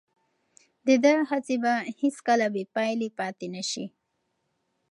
د ده هڅې به هیڅکله بې پایلې پاتې نه شي.